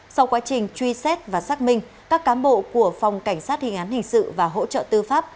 sau quá trình truy xét và xác minh các cám bộ của phòng cảnh sát hình án hình sự và hỗ trợ tư pháp